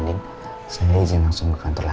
disitu aja gak apa apa kok